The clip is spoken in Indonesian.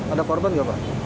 ada korban nggak pak